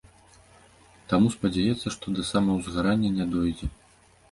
Таму спадзяецца, што да самаўзгарання не дойдзе.